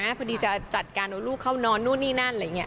พอดีจะจัดการเอาลูกเข้านอนนู่นนี่นั่นอะไรอย่างนี้